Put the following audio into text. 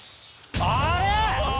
あれ⁉